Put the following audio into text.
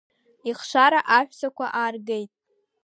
Ихшара аҳәсақәа ааргеит.